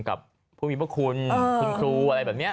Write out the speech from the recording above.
กับผู้มีพระคุณคุณครูอะไรแบบนี้